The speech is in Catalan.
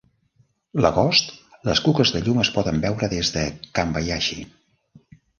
L'agost, les cuques de llum es poden veure des de Kanbayashi.